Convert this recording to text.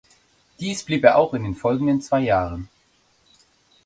Dies blieb er auch in den folgenden zwei Jahren.